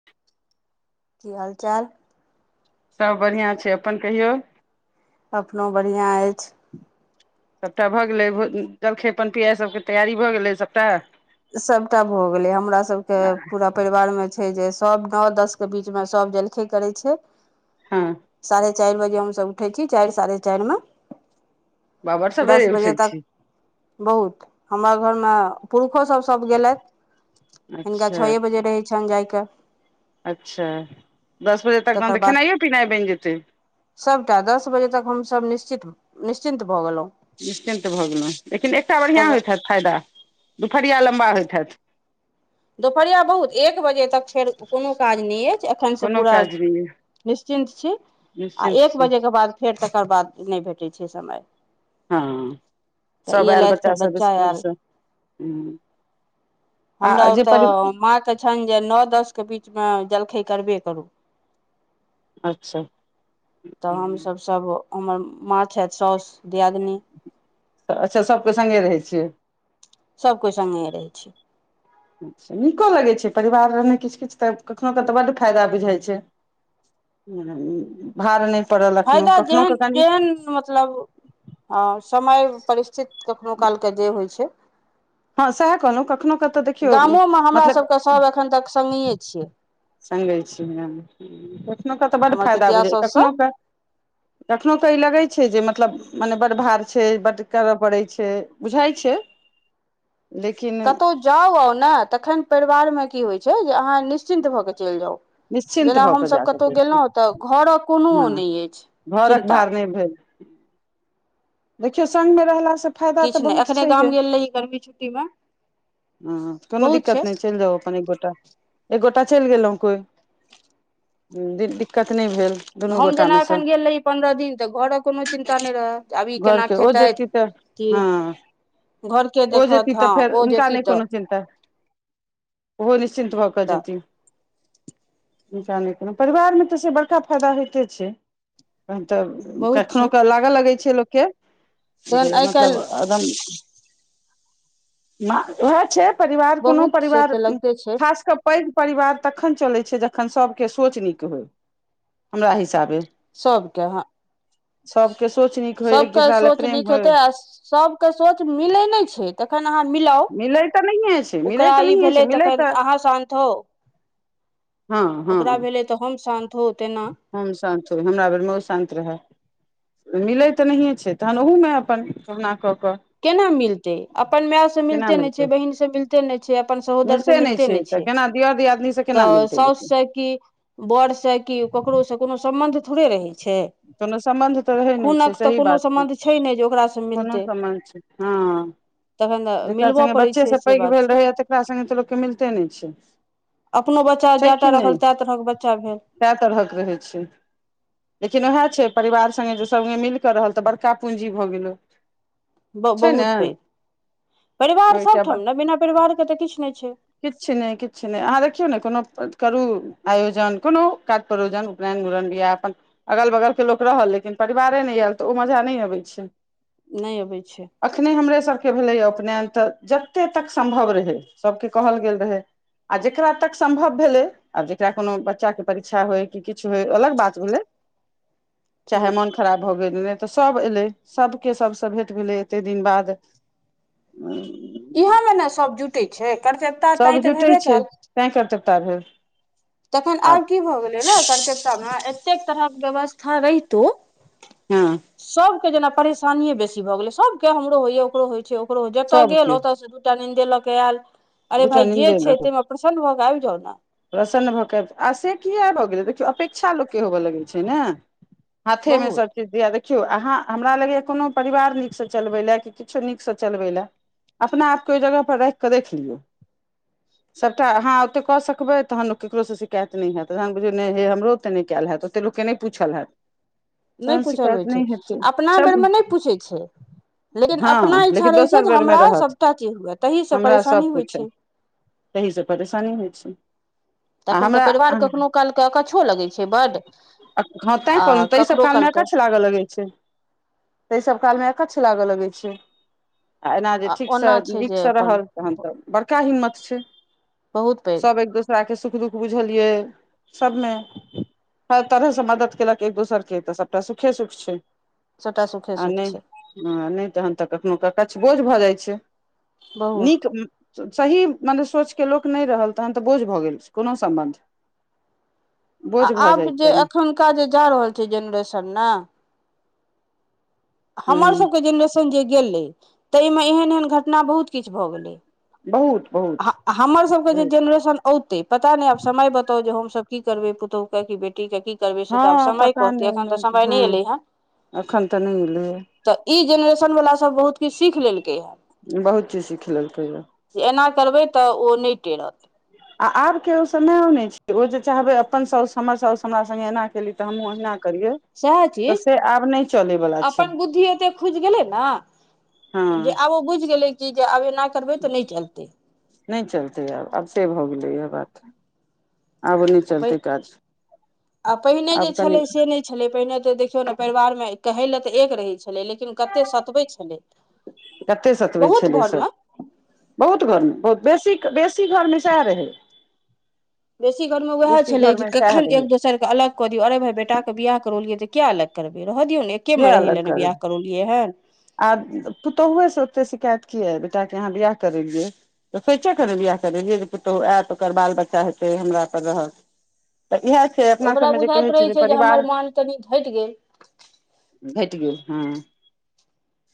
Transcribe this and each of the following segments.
[inaudible] की हाल चाल सब बढ़िया छै अपन कहियौ अपनो बढ़िआँ अछि सभटा भऽ गेलै भो जलखे पन पिआइ सभके तैयारी भऽ गेलै सभटा सभटा भऽ गेलै हमरा सबके पूरा परिवार मे छै जे सब नओ दस के बीच मे सब जलखे करै छै हँ साढ़े चारि बजे हमसभ उठै छी चारि साढ़े चारिमे बाबर दस सबेरे बजे उठै तक छी बहुत हमरा घरमे पुरष सभ सभ गेलथि हिनका अच्छा छओ बजे रहै छनि जाय क अच्छा दस बजे तक तन तऽ बाद खेनाइो पिनाइ बनि जेतै सभटा दस बजे तक हमसभ निश्चित निश्चिन्त भऽ गेलहुँ निश्चिन्त भऽ गेलहुँ लेकिन एकटा बढ़िआँ तकर होइत छथि फायदा दुपहरिया लम्बा होइत छथि दुपहरिया बहुत एक बजे तक फेर कोनो काज नहि अय एखन से कोनो पूरा काज नहि य निश्चिन्त छी आ निश्चिन्त एक छी बजे के बाद फेर तकर बाद नहि भेटैत छै समय हँ तऽ ई सभ आयल एलथि फेर बच्चासभ बच्चा आयल इसकुलसँ ह हमरा ओतऽ माँके छनि जे नओ दसके बीचमे जलखै करबे करू अच्छा तऽ हमसभ सभ हमर माँ छथि साउसु दियादिन अच्छा सभ केँ सङ्गे रहै छियै सभ केँ सङ्गे रहै छै च्छा नीको लगै छै परिवारमे किछु किछु तऽ कखनहु क तऽ बड्ड फायदा बुझाइ छै ह भार नहि पड़ल एखनो फायदा कखनो के जेहन कनि जेहन मतलब हँ समय परिस्थित कखनहु कालके जे होइ छै हँ सएह कहलहुँ कखनो के तऽ देखियौ गामोमे हमरा मतलब सभके सभ एखन तक सङ्गीे छियै सङ्गै छियै कखनोकेँ तऽ बड्ड हमर फायदा पितिया बुझै छै साउस सभ कखनहुेँ कखनहु क ई लगैत छै जे मतलब मने बड्ड भार छै बड्ड करय पड़ैत छै बुझाइत छै [inaudible] कतहु जाउ आउ ने तखन परिवारमे की होइत छै जे अहाँ निश्चिन्त भऽ कऽ चलि जाउ निश्चिन्त जेना भऽ कऽ जा हमसभ कतहु सकै छी गेलहुँ तऽ घरक कोनो नहि अछि चिन्ता भ भ देखियौ संगमे रहलासँ फायदा तऽ किछु नहि बहुत एखने गाम छैहे गेल रही गर्मी छुट्टी मे ह कोनो दिक्कत नहि चलि जाउ अपन एक गोटा एकगोटा चलि गेलहुं कोई दिक्कत नहि भेल दुनू हम जेना गोटामे सँ एखन गेल रही पन्द्रह दिन तऽ घरक कोनो चिन्ता नहि रहय घरके ओ जेती तऽ हँ घरके हो जेती देखत तऽ हँ फेर ओ हुनका जेती नहि तऽ कोनो चिन्ता ओ निश्चिन्त भ क तऽ जेति हुनका नहि केलहुँ परिवारमे तऽ से बड़का फायदा होइते छै कखन तऽ बहुत कखनहु छै क लागय लगै छै लोककेँ तहन जे आइ मतलब काल्हि एकदम उएह छै परिवार कोनो बहुत से परिवार तऽ लगिते छै खास कऽ पैघ परिवार तखन चलै छै जखन सबके सोच नीक होइ हमरा हिसाबे सभ केँ ह सभ केँ सोचनी सभ केँ सोच नीक हेतै आ सभ केँ सोच मिले नहि छै तखन अहाँ मिलाउ मिलै तऽ नहिए छै मिलै ओकरा तऽ ई नहिए छै भेलै मिलै तखन तऽ अहाँ शानत हो हँ हँ तोरा भेलै तऽ हम शान्त हो तेना हम शान्त हो हमरा बेर मे ओ शान्त रहै मिलैत तऽ नहिए छै तहन ओहूमे अपन कहामना कऽ कऽ केना मिलते अपन माय से केना मिलते नहि मिलतै छै बहिनसँ मिलते नहि छै अपन सहोदर से मिलते नहि छै केना दियर दियादनीसँ केना तऽ मिलतै साओस लोकके छै कि बड़ से कि ककरो से कोनो सम्बंध थोड़े रहै छै कोनो सम्बन्ध तऽ रहै नहि छै खूनक तऽ सही कोनो बात छै सम्बन्ध नहि जे ओकरासँ कोनो मिलतै सम्बन्ध छै हँ तखन तऽ जकरा मिलबय संगे पड़ैत बच्चे छै सब से पैघ बात भेल छै रहैया तकरा सङ्गे तऽ लोकके मिलते नहि छै अपनो बच्चा जाय टा रहल ताए तरहक बच्चा भेल तए तरहक रहै छै लेकिन ओएह छै परिवार संगे जो संगे मिल क रहल तऽ बड़का पूंजी भऽ गेलै बहुत पैघ परिवार ओहिटा सभठाम न बिना परिवारके तऽ किछु नहि छै किछ नहि किछ नहि अहाँ देखियौ ने कोनो करू आयोजन कोनो काज प्रयोजन उपनयन मुरन बिआ अपन अगल बगल के लोक रहल लेकिन परिवारे ने आयल तऽ ओ मजा नहि अबै छै नहि अबै छै एखने हमरे सभके भेलैए उपनयन तऽ जते तक सम्भव रहै सभके कहल गेल रहै आ जेकरा तक सम्भव भेलै आब जेकरा कोनो बच्चा के परीक्षा होय कि किछु होय अलग बात भेलै चाहे मोन खराब भऽ गेल रहै तऽ सभ एलै सभके सबसँ भेट भेलै एते दिन बाद [unintelligible] इहे मे ने सब जुटे छै कर्तवता ताय तऽ भेबे कयल त‌एं कर्त्तव्यता भेल तखन आब की भऽ गेलै न कर्तेव्यता मे एतेक तरहक व्यवस्था रहितो हँ सभके जेना परेशानिए बेसी भऽ गेलै सभके हमरो होइय ओकरो होय छै ककरो जतय सभके गेल ओतयसँ दूटा नीन्दे लऽ कऽ आयल अरे दूटा भाय जे नीन्दे लऽ छै कऽ तैमे प्रसन्न भऽ कऽ आबि जाउ न प्रसन्न भऽ कऽ आबि से किए भऽ गेलै देखियौ अपेक्षा लोककेँ होबय लगैत छै ने हाथें में बहुत सब चीज दिया देखियौ अहाँ हमरा लगैए कोनो परिवार नीकसँ चलबै ले कि किछो नीकसँ चलबै ले अपना आपके ओहि जगह पर राखिकऽ देख लियो सभटा अहाँ ओते कऽ सकबै तहन लोक केकरो से शिकायत नहि हैत तहन बुझियौ ने हे हमरो ओते नहि कयल हयत के नहि पूछल हेत नहि तहन पूछल शिकायत होइ छै नहि हेतै अपना बेरमे नहि पूछै छै लेकिन हँ अपना इच्छा लेकिन रहै छै दोसर जे बेरमे हमरा रहत सभटा चीज हुए ताहिसँ हमरा परेशानी होइ सभकुछ छै तहिस परेशानी होय छै आ तखन तऽ हमरा परिवार कखनो कालके अकच्छो लगैत छै बड्ड हँ तें आ कहलौ तै सब कखनो काम मे कालके अकछ लागतै लग छै तात सब काल मे अकच्छ लागऽ लगै छै आ एना जे ठीकसँ ओना छै जे नीकसँ अपन रहल तहन तऽ बड़का हिम्मत छै बहुत पैघ सब एक दोसर ओड़ाके सुख दुःख बुझलियै सभमे हर तरहसँ मदद केलक एक दोसर के तऽ सबटा सुखे सुख छै सब टा सुखे आ सुख नहि छै हँ नहि तहन तऽ कखनो क अकच्छबोझ भऽ जाय छै बहुत नीक सही मने सोचके लोक नहि रहल तहन तऽ बोझ भऽ गेलै कोनो सम्बन्ध बोझ आ भऽ आब जाय छै जे एखुनका जे जा रहल छै जेनरेशन न ह हमरसभके जेनरेशन जे गेलै ताहिमे एहन एहन घटना बहुत किछु भऽ गेलै बहुत बहुत हमर सबके जे बहुत जेनरेशन औते पता नहि आब समय बताउ जे हम सब की करबै पुतहु के की बेटी के की करबै से तऽ आब हँ समय पता कहतै एखन तऽ समय हँ नहि एलै हेँ एखन तऽ नहि एलैए तऽ ई जेनरेशनवला सभ बहुत किछु सीख लेलकै हँ बहुत चीज सिख लेलकेय ह जे एना करबै तऽ ओ नहि टेरत आ आब के ओ समय ओने छ ओ जे चाहबे अपन साउस हमर साउस हमरा स्गे एना केेली तऽ हमहुँ ओहिना करियै सएह तऽ चीज से आब नहि चलयवला छै अपन बुद्धि एते खुजि गेलै ने हँ जे आब ओ बुझि गेलै कि जे आब एना करबै तऽ नहि चलतै नहि चलतै आब आब से भऽ गेलै इएह बात आब नहि चलतै काज आब कनि छले पहिने ते देखियौ ने परिवार मे कहै ले तऽ एक रहे छलै लेकिन कते सतबै छलै कतेक सतबै बहुत छलै घरमे सभ बहुत घरमे बहुत बेसी बेसी घरमे साह रहै बेसी घरमे उएह बेसी छलै जे घरमे सएह कखन एक रहै दोसरके अलग अरे भाय बेटााक के बियाह करौलियै तऽ किया अलग करबै रहऽ दियौ ने एके मे किया रहै अलग ले ने करबै बियाह करौलियै हेन आ पुतोहुए से ओते शिकायत किया बेटा केँ अहाँ बियाह करेलियै तऽ सोचे ने बियाह जे जे पुतहु आयत ओकर बाल बच्चा हेतै हमरा पर रहत तऽ इएह छै अपना ओकरा सभमे जे कहै बुझाइत छै रहै जे परिवार हमर मान कनि घटि गेल भेट गेल हँ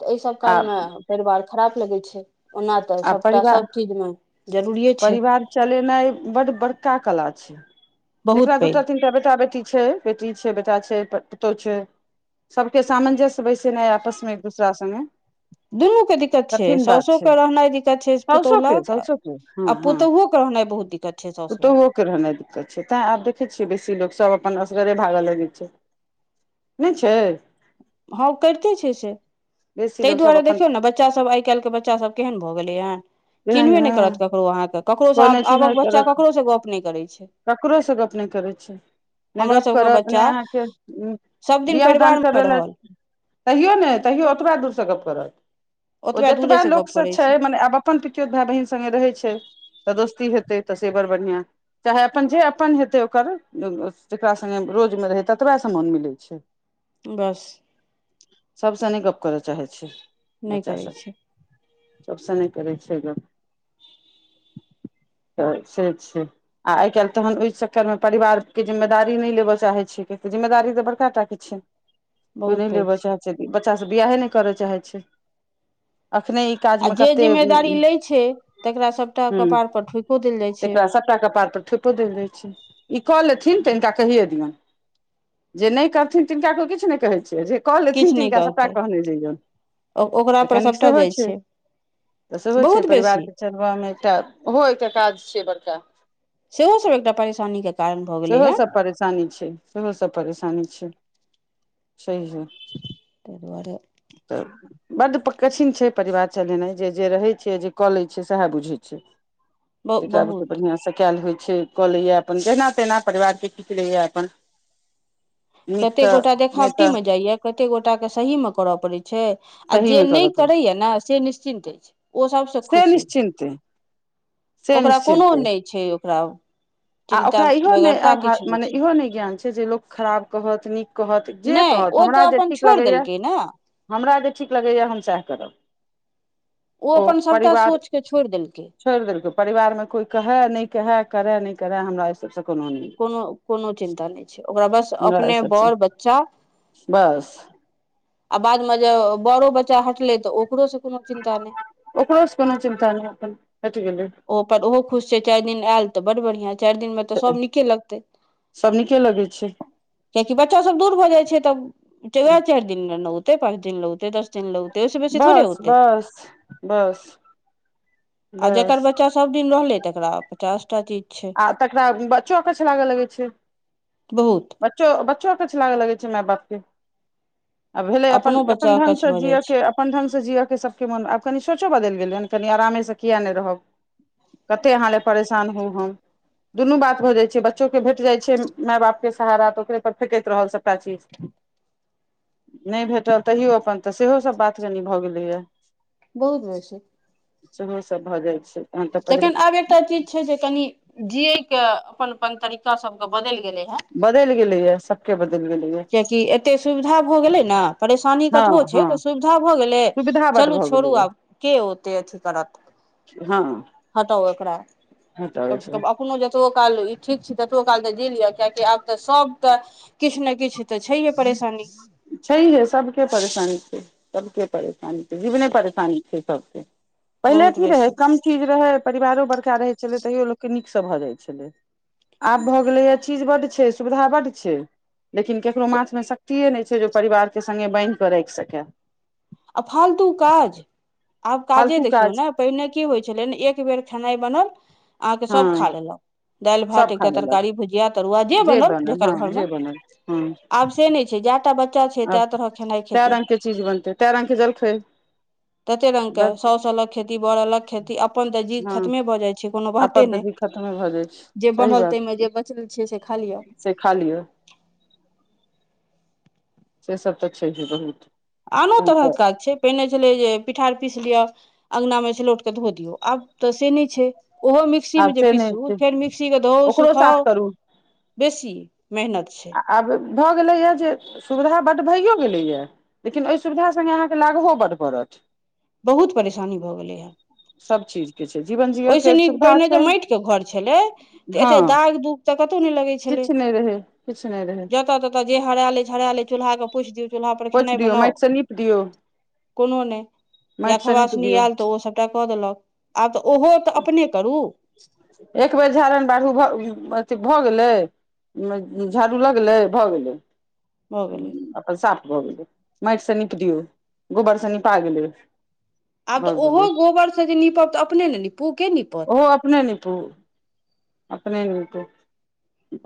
तऽ एहि सभ आ कालमे परिवार खराब लगै छै ओना तऽ आ सभटा परिवार सभचीजमे जरूरिए छै परिवार चलेनाइ बड बड़का कला छै जेकरा बहुत पैघ दूटा तीनटा बेटा बेटी छै बेटी छै बेटा छै पुतहु छै सबके सामंजस्य बैसेना है आपस में एक दूसरा सङ्गे दुनू के दिक्कत छै सउसो छै के रहनाइ दिक्कत छै पुतौ साउसो के लग साउसो के हँ आ हँ पुतोहुओ के रहनाइ बहुत दिक्कत छै सउासु लग पुतोहुओ के रहनाइ दिक्कत छै तैं आब देखै छियै बेसी लोको सब अपन असगरे भागय लगै छै नहि छै हँ करिते छै से बेसी ताहि लोक सब दुआरे अपन देखियौ ने बच्चा सब आइ काल्हिके बच्च बच्चा सब केहन भऽ गेलै हन एहन चिन्हबे नहि हँ करत ककरो अहाँके कोइ ककरोसँब नहि आबक बच्चा ककरोसँ गप नहि करै छै ककरोसँ गप नहि करै छियै नहि हमर गप्प सभके करत बच्चा नहि अहाँकेँ सभदिन बियाह दान परिवारमे करबय लए रहल तहियो नहि तैयो ओतबा दूरसँ गप्प करत ओ ओतबे जतबा दूरेसँ गप्प लोकसँ करै छै मने आब अपन पितियो भाय बहिन सगे रहै छै तऽ दोस्ती हेतै तऽ से बड़ बढ़िआं चाहे अपन जे अपन हेते ओकर जेकरा सगे रोज में रहे ततबा समान मिले छै त [inaudible] बस सबसँ नय गप करय चाहै छ नहि बच्चा करै सब छै सबसँ न करै छैगन [inaudible] त से छै आ आइ काल्हि तखन ओहि चक्कर मे परिवार के जिम्मेदारी लेय चाहैत छै जिम्मेदारी तऽ बड़क टाके अच्छा को नहि बहुत पैघ लेबय चाहै छै बच्चा सब बियाहे नहि करय चाहै छै अखने आ काजमे क जे जिम्मेदारी ले छै तकरा सबटा कपार पर ठुकियो देल जाइ छै सब टा कपार पर ठेपो देल दै छै ई कऽ लेथिन तऽ हिनका कहिये दियनि जे नहि करथिन तिनका को किछु नहि कहै छियै जे कऽ लेथिन किछु नहि तिनका सभटा कहतै कहने जैयौन ओकरा तऽ पर कनिक सभटा सेहो जाइ छै तऽ सेहो छै बहुत बेसी परिवारके चलबामे एकटा ओहो एकटा काज छैै बड़का सेहोसभ एकटा परेशानीके कारण भऽ गेलै सेहो हेँ सब परेशानी छै सेहो सब परेशानी छै सह तै दुआरे तऽ बड्ड कठिन छै परिवार चलेनाइ जे जे रहैत छै जे कऽ लैत छियै सएह बुझैत छै जकरा बुते बहुत बढ़ियाँ सँ कयल होइ छै कऽ लैए अपन जेना तेहिना परिवारके खीच लैए अपन कतेक नीकसँ कोटा नहि देखावटी तऽ मे जाइये कतेक गोटाक के सहीमे करय पड़ैत छै आ जे सहीमे नहि करय पड़ै करैया ने से निश्चिन्त छै ओ सबसँ से खुश हो छै निश्चिन्ते से ओकरा कोनो निश्चिन्ते नहि छै ओकरा आ चिन्ता ओकरा इहो नहि बेगरता किछु आभाव नहि मने छै इहो नहि ज्ञान छै जे लोक खराब कहत नीक कहत जे नहि कहत ओ हमरा तऽ जे अपन ठीक छोड़ि लगैए देलकै ने हमरा जे ठीक लगैया हम सएह करब ओ अपन सभटा सोचके छोड़ि देलकै छोड़ि देलको परिवार मे कोई कहे न कहे करे नहि करे हमरा सबसँ कोनो नहि कोनो कोनो चिन्ता नहि छै ओकरा बस हमरा अपने एहि सभसँ बर बच्चा बस आ बाद मे जे बड़ो बच्चा हटलै तऽ ओकरो से कोनो चिन्ता नहि ओकरो से कोनो चिन्ता नहि अपन हटि गेलै ओ पर ओहो खुश छै चारि दिन आयल तऽ बड बढ़ियाँ चारि दिन मे तऽ सब नीके लगतै सभ नीके लगै छै कआकि बच्चा सब दूर भऽ जाइ छै तब वएह चारि दिन लगऔते पाँच दिन ल औते दस ल ओ बेस थोड़े बस होते बस बस आ जकर बस बच्च बच्चा सभ दिन रहलै तकरा पचास टा चीज छै आ तकरा बच्चो अकछ लागे लगे छै बहुत बच्चो अकछ लागे लगे छै माय बाप के आ भेलै अपन अपनो अपन बच्चा ढंग अकछ से भऽ जाइ जियै छै के अपन ढंगगसँ जिऽके सभके मोन आब कनि सोचो बदलि गेलै हँ कनि आरामेसँ किया नहि रहब कते अहाँ ले परेशान होउ हम दुनू बात भऽ जाइत छै बच्चोकेँ भेट जाइत छै माय बापके सहारा तऽ ओकरे पर फेेकैत रहल सभटा चीज नहि भेटल तैयो अपन तऽ सेहो सभ बात कनि भऽ गेलैए बहुत बस सेहो सब भऽ जाइ छै तहन तऽ पकड़े लखन आब एकटा चीज छै जे कनि जियै के अपन अपन तरीका सब के बदल गेले हे बदैल गेलैै के बदलि गेलै ये कियकि एते सुविधा भए गेलै ने परेशानी कतबो हँ छै हँ तऽ सुविधा भऽ गेलै सुविधा बड चलू भऽ छोड़ू गेलैए आब के ओते अथी करत हँ हँ तऽ ओ एकरा कम से कम हटाबैत कोनो जतबो काल ई ठीक छी ततबो काल तऽ जी ल यए कियकि आब तऽ सभ तऽ किछु ने किछु तऽ छैहे परेशानी छैहे सबके परेशानी छै सबके परेशानी छै जीवने परेशानी छै सबके पहिले बहुत की रहै बेसी कम चीज रहै परिवारो बड़का रहै छलै तैयो लोकके नीकसँ भऽ जाइत छलै आब भए गेले ये चीज बड्ड छै सुविधा बड्ड छै लेकिन केकरो माछ मे शक्तिये ने छै जे परिवार के संगे बान्हि कऽ राखि सकै आ फालतू काज आब काजे फालतू देखियौ काज ने पहिने की होइ छलै एक बेर खेनाइ बनल अहाँके सभ खा हँ लेलक दालि भात सब खा एकटा लेलक तरकारी भुजिया तरुआ जे बनल जकर हँ घरमे जे बनल हँ आब से नहि छै जै टा बच्चा छै आब तए तरहक खेनाइ तै खेतै रङ्गके चीज बनतै तै रङ्गके जलखै तेते रंग के बस सौ सलक खेती बऽड़ऽलक खेती अपन ते जीत हँ खतमे भऽ जाय छै से कोनो बाते अपन तऽ नहि जीत खतमे भऽ जाइ छै जे सही बनल बात ताहिमे छै जे बचल छिय से खा लिअ से खा लिय से सब तऽ छैहे बहुत आनो तहन तऽ तरहक काज छै पहिने छलै जे पिठार पीस लियअ अङ्गनामे सीलौट कऽ धो दियौ आब तऽ से नहि छै ओहो आब मिक्सीमे जे से नहि पिसू छै फेर मिक्सीके धोउ ओकरो साथ सुखाउ करू बेसी मेहनत छै आ आब भऽ गेलैया जे सुविधा बड भइयो गेलैया लेकिन ओहि सुविधा सङ्गे अहाँके लागहो बड्ड पड़त बहुत परेशानी भऽ गेलै या सब चीज ओहिसँ नीक पहिने जे माटिक के घर छलै तऽ एते दाग दुग तऽ कतहु नहि लगै छलै किछ नहि रहे किछ नहि रहै जतऽ ततऽ जे हरायल छै हरायल चूल्हा के पोछि दियौ चूल्हा पर खेनाइ बनाउ निप दिऔ कोनो नहि या नीप खबासनी दियौ एल तऽ ओ सभटा कऽ देलक आब तऽ ओहो तऽ अपने करू एक बेर झारन बारू भऽ अथी भऽ गेलै झाड़ू लगलै भऽ गेलै भऽ गेलै आ साफ भऽ गेलै माटि से निप दियौ गोबर स निपा गेलै आब भऽ तऽ ओहो गेलै गोबरसँ जे नीपब तऽ अपने ने निपू के निपत ओ अपने नीपू अपने नीपू